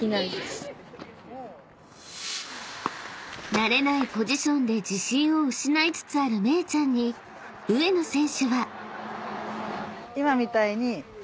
［慣れないポジションで自信を失いつつあるめいちゃんに上野選手は］